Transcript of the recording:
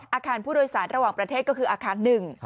อาคารผู้โดยสารระหว่างประเทศก็คืออาคารหนึ่ง